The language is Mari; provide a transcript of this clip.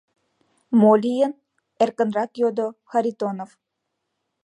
— Мо лийын? — эркынрак йодо Харитонов.